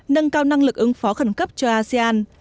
nâng cao năng lực ứng phó khẩn cấp cho asean